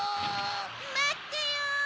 まってよ！